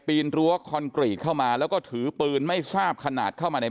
นรั้วคอนกรีตเข้ามาแล้วก็ถือปืนไม่ทราบขนาดเข้ามาใน